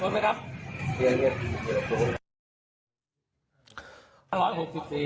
ขออนุญาตประชาชนนะครับ